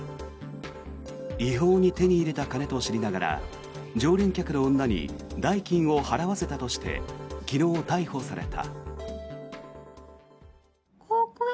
違法に手に入れた金と知りながら常連客の女に代金を払わせたとして昨日逮捕された。